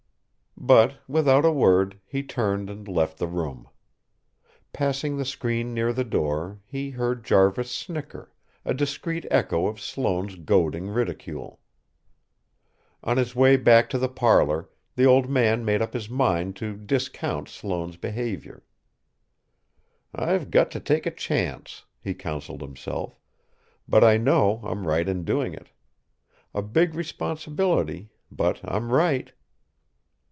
But, without a word, he turned and left the room. Passing the screen near the door, he heard Jarvis snicker, a discreet echo of Sloane's goading ridicule. On his way back to the parlour, the old man made up his mind to discount Sloane's behaviour. "I've got to take a chance," he counselled himself, "but I know I'm right in doing it. A big responsibility but I'm right!"